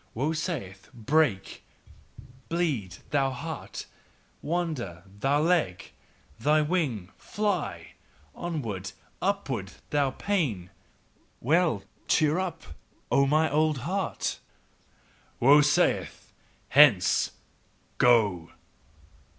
Woe saith: "Break, bleed, thou heart! Wander, thou leg! Thou wing, fly! Onward! upward! thou pain!" Well! Cheer up! O mine old heart: WOE SAITH: "HENCE! GO!"